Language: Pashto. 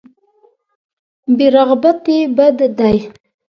بې رغبتي بد دی.